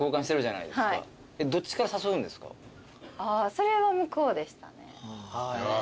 それは向こうでしたね。